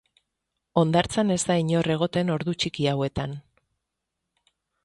Hondartzan ez da inor egoten ordu txiki hauetan.